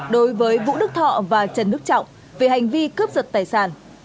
đối với vũ đức thọ và trần đức trọng về hành vi cướp giật tài sản